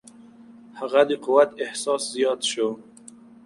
هغه د قوت احساس زیات شو.